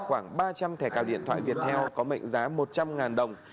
khoảng ba trăm linh thẻ cào điện thoại viettel có mệnh giá một trăm linh đồng